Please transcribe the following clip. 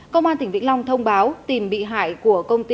công an tỉnh vĩnh long thông báo tìm bị hại của công ty